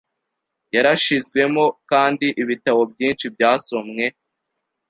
yarashizwemokandi ibitabo byinshi byasomwe